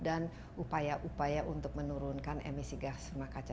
dan upaya upaya untuk menurunkan emisi gas rumah kaca